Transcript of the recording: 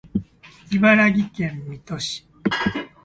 茨城県水戸市